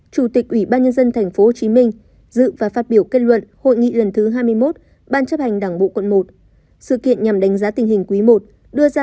chủ tịch ủy ban nhân dân tp hcm quán triệt đây là nhiệm vụ cần đảm bảo trong bất kỳ hoàn cảnh nào